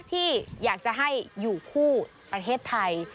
ที่อยากจะให้อยู่คู่ประเทศไทย